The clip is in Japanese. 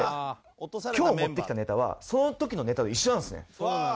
今日持ってきたネタはその時のネタと一緒なんですね。